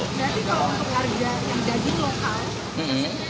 jadi kalau lokal itu masih di kisaran stabil ya